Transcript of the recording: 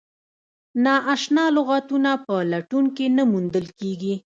نا اشنا لغتونه په لټون کې نه موندل کیږي.